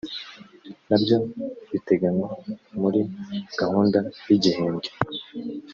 nabyo biteganywa muri gahunda y igihembwe